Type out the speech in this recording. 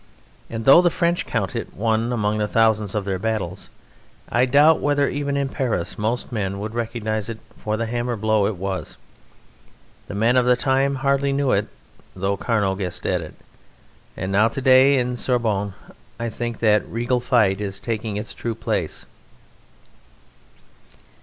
And though the French count it one among the thousand of their battles, I doubt whether even in Paris most men would recognize it for the hammer blow it was. The men of the time hardly knew it, though Carnot guessed at it, and now to day in Sorbonne I think that regal fight is taking its true place.